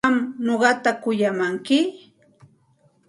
¿Qam nuqata kuyamanki?